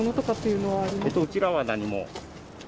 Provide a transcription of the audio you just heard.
うちらは何も。